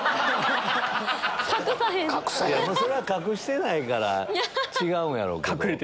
それは隠してないから違うんやろうけど。